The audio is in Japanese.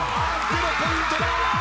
０ポイントだ！